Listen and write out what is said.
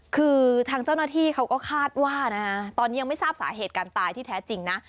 คือทางเจ้าหน้าที่เขาก็คาดว่านะฮะตอนนี้ยังไม่ทราบสาเหตุการตายที่แท้จริงนะ